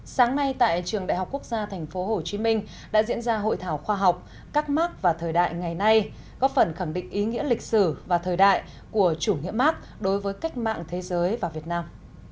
sáng nay tại trường đại học quốc gia tp hcm đã diễn ra hội thảo khoa học các mark và thời đại ngày nay góp phần khẳng định ý nghĩa lịch sử và thời đại của chủ nghĩa mark đối với cách mạng thế giới và việt nam